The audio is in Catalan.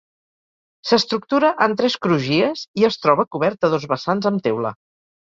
S'estructura en tres crugies i es troba cobert a dos vessants amb teula.